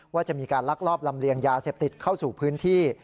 ว่าจะมีการลักลอบลำเลียงยาเสพติดเข้าสู่พื้นที่